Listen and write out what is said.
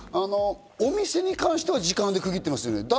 お店に関しては時間で区切ってますね。